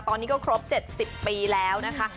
ตอนนี้ก็ครบ๗๐ปีแล้วนะคะ